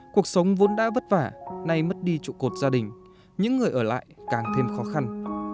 cuộc sống vốn đã vất vả nay mất đi trụ cột gia đình những người ở lại càng thêm khó khăn